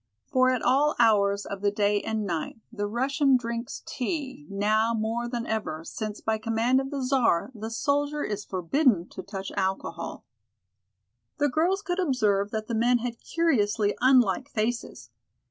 For at all hours of the day and night the Russian drinks tea, now more than ever, since by command of the Czar the soldier is forbidden to touch alcohol. The girls could observe that the men had curiously unlike faces.